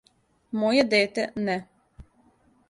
Моје дете, не!